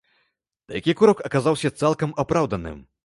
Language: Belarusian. Такі крок аказаўся цалкам апраўданым.